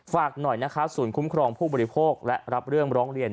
ฝากหน่อยนะคะศูนย์คุ้มครองผู้บริโภคและรับเรื่องร้องเรียน